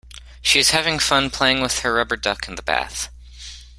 She is having fun playing with her rubber duck in the bath